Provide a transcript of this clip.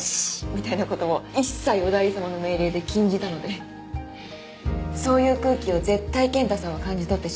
みたいなことを一切おだいり様の命令で禁じたのでそういう空気を絶対ケンタさんは感じ取ってしまうから